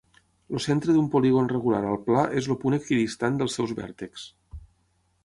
El centre d'un polígon regular al pla és el punt equidistant dels seus vèrtexs.